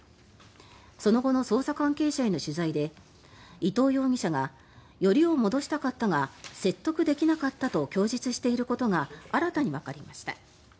その後の捜査関係者への取材で伊藤容疑者がよりを戻したかったが説得できなかったと供述していることが新たにわかりました。